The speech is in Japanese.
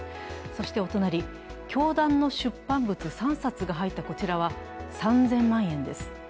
そしてお隣、教団の出版物３冊が入ったこちらは３０００万円です。